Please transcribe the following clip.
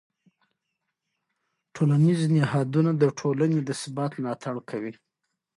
ټولنیز نهادونه د ټولنې د ثبات ملاتړ کوي.